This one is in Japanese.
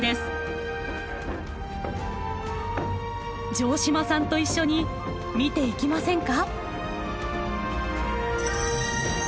城島さんと一緒に見ていきませんか？